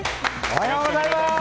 おはようございます！